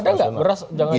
tapi stoknya ada gak beras